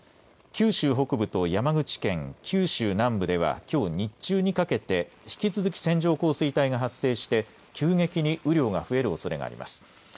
九州北部と山口県、九州南部ではきょう日中にかけて引き続き線状降水帯が発生して急激に雨量が増えるおそれがあります。